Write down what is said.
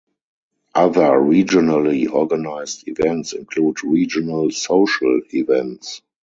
Other regionally organised events include regional social events.